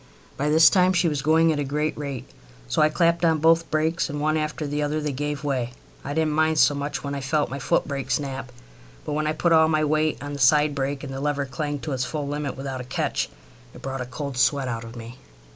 By this time she was going at a great rate, so I clapped on both brakes, and one after the other they gave way. I didn't mind so much when I felt my footbrake snap, but when I put all my weight on my side brake, and the lever clanged to its full limit without a catch, it brought a cold sweat out of me.